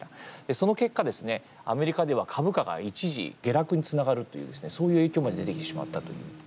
その結果ですねアメリカでは株価が一時下落につながるというそういう影響まで出てきてしまったという。